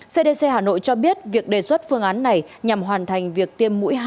cdc hà nội cho biết việc đề xuất phương án này nhằm hoàn thành việc tiêm mũi hai